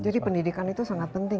jadi pendidikan itu sangat penting ya